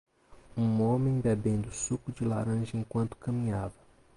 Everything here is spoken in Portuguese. Um homem bebendo suco de laranja enquanto caminhava.